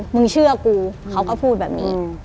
มึงเชื่อกูเขาก็พูดแบบนี้